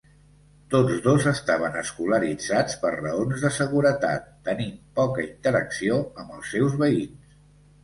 Tots dos estaven escolaritzats per raons de seguretat, tenint poca interacció amb els seus veïns.